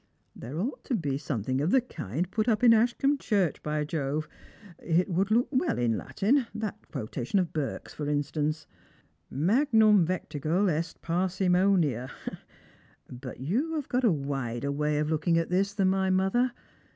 There ought to be somethir.g of the kind put up in Ashcombe church, by Jove. It would look well in Latin — that quotation of Burke's, for instance : Magnutn vectigal est famimonia. But you have got a wider way of looking at this than my mother.